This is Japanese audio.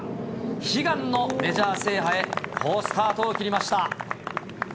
悲願のメジャー制覇へ、好スタートを切りました。